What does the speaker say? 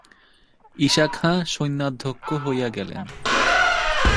ইশা খাঁ সৈন্যাধ্যক্ষ হইয়া গেলেন।